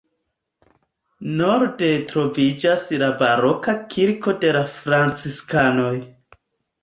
Norde troviĝas la baroka kirko de la franciskanoj.